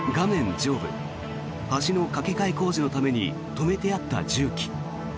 上部橋の架け替え工事のために止めてあった重機。